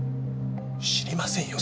知りませんよ